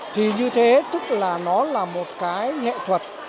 thì như thế tức là nó là một cái nghệ thuật